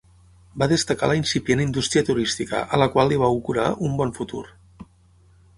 Va destacar la incipient indústria turística a la qual li va augurar un bon futur.